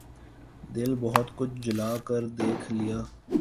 دل بہت کچھ جلا کے دیکھ لیا